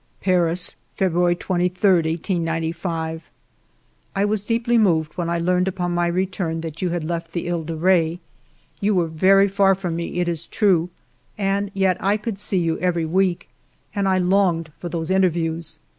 "Paris, February 23, 1895. " I was deeply moved when I learned upon my return that you had left the He de Re. You were very far from me, it is true, and yet I could see you every week and I longed for those inter views